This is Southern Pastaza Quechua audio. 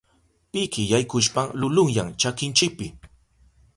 Piki yaykushpan lulunyan chakinchipi.